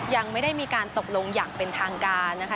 ยังไม่ได้มีการตกลงอย่างเป็นทางการนะคะ